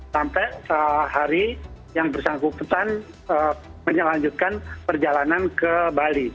sampai hari yang bersangkutan menyalanjutkan perjalanan ke bali